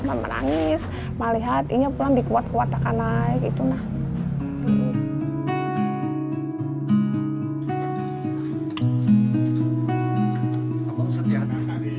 mama nangis melihat ini pulang dikuat kuat akan naik gitu nah